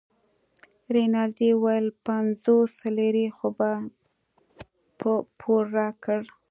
رینالډي وویل پنځوس لیرې خو په پور راکړه.